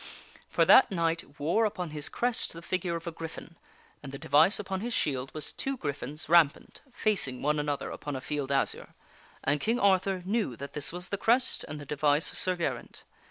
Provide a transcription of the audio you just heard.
For that knight wore upon his crest the figure of a gryphon, and the device upon his shield was two gryphons rampant facing one another upon a field azure, and King Arthur knew that this was the crest and the device of Sir Geraint.